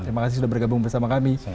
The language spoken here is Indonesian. terima kasih sudah bergabung bersama kami